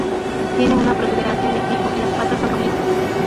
Tiene una protuberancia en el pico, y las patas son rojizas.